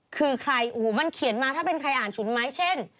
คือใครโอ้โหมันเขียนมาถ้าเป็นใครอ่านฉุนไม้เช่น